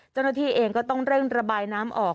เจ้าหน้าที่เองก็ต้องเร่งระบายน้ำออก